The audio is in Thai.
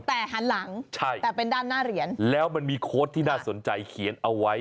แต่หันหลังใช่แต่เป็นด้านหน้าเหรียญแล้วมันมีโค้ดที่น่าสนใจเขียนเอาไว้